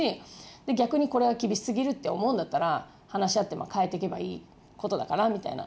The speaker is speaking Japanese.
で逆にこれは厳しすぎるって思うんだったら話し合って変えてけばいいことだからみたいな。